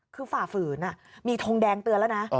คือฝ่าฝืนมีทงแดงเตือนแล้วนะ